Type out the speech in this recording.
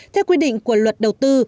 theo quy định của luật đầu tư